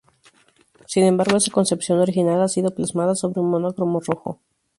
Sin embargo, esa concepción original ha sido plasmada sobre un monocromo rojo.